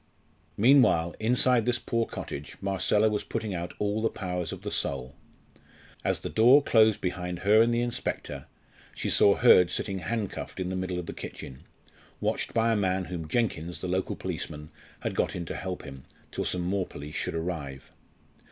Meanwhile, inside this poor cottage Marcella was putting out all the powers of the soul. As the door closed behind her and the inspector, she saw Hurd sitting handcuffed in the middle of the kitchen, watched by a man whom Jenkins, the local policeman, had got in to help him, till some more police should arrive.